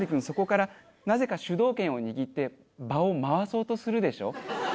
そこからなぜか主導権を握って場を回そうとするでしょ。